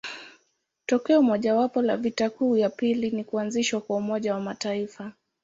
Tokeo mojawapo la vita kuu ya pili ni kuanzishwa kwa Umoja wa Mataifa.